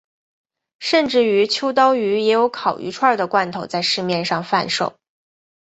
甚至于秋刀鱼也有烤鱼串的罐头在市面上贩售。